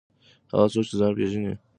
هغه څوک چې ځان پېژني پر نورو اغېزه لري.